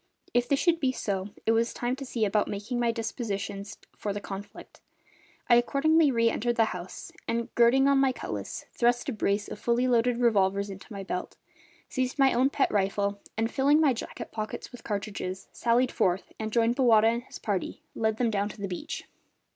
If this should be so it was time to see about making my dispositions for the conflict; I accordingly re entered the house and, girding on my cutlass, thrust a brace of fully loaded revolvers into my belt, seized my own pet rifle and, filling my jacket pockets with cartridges, sallied forth and, joining Bowata and his party, led them down to the beach.